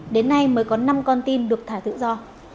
đến nay mới có năm con tin được thả tự do